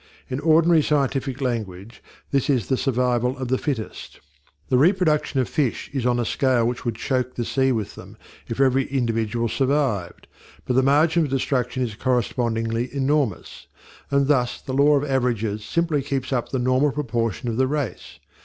In ordinary scientific language this is the survival of the fittest. The reproduction of fish is on a scale that would choke the sea with them if every individual survived; but the margin of destruction is correspondingly enormous, and thus the law of averages simply keeps up the normal proportion of the race.